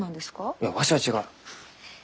いやわしは違う。